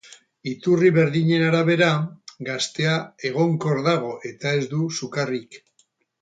Iturri berdinen arabera, gaztea egonkor dago eta ez du sukarrik.